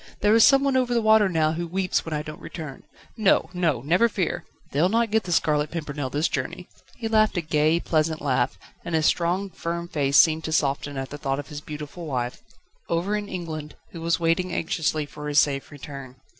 There is someone over the water now who weeps when I don't return No! no! never fear they'll not get The Scarlet Pimpernel this journey ..." He laughed, a gay, pleasant laugh, and his strong, firm face seemed to soften at thought of the beautiful wife, over in England, who was waiting anxiously for his safe return.